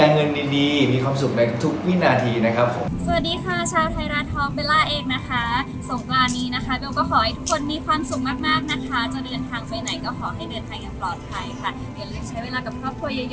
อย่าลืมใช้เวลากับครอบครัวเยอะเยอะด้วยนะคะความสุขมากค่ะ